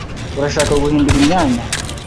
Urashaka guhindura imyanya?